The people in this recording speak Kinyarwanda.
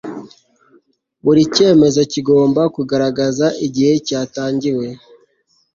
buri cyemezo kigomba kugaragaza igihe cyatangiwe